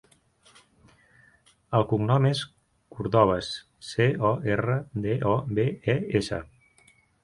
El cognom és Cordobes: ce, o, erra, de, o, be, e, essa.